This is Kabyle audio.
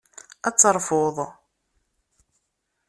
Ad terfuḍ.